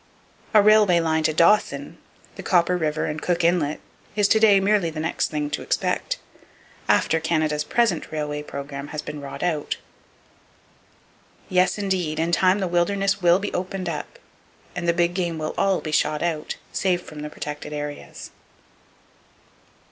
A railway line to Dawson, the Copper River and Cook Inlet is to day merely the next thing to expect, after Canada's present railway program has been wrought out. Yes, indeed! In time the wilderness will be opened up, and the big game will all be shot out, save from the protected areas.